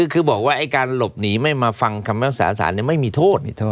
คือบอกว่าการหลบหนีไม่มาฟังคำแม้วสาธารณ์เนี่ยไม่มีโทษ